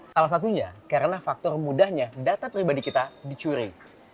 salah satunya karena faktor mudahnya data pribadi kita dicuri